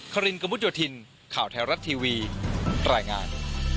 ครินกระมุดโยธินข่าวไทยรัฐทีวีรายงาน